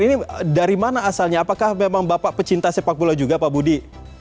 ini dari mana asalnya apakah memang bapak pecinta sepak bola juga pak budi